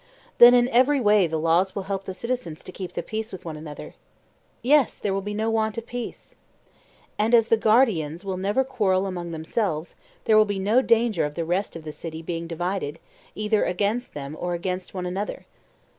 Then in every way the laws will help the citizens to keep the peace with one another? Yes, there will be no want of peace. And as the guardians will never quarrel among themselves there will be no danger of the rest of the city being divided either against them or against one another.